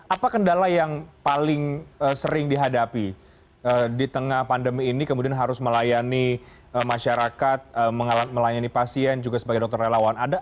apa kendala yang paling sering dihadapi di tengah pandemi ini kemudian harus melayani masyarakat melayani pasien juga sebagai dokter relawan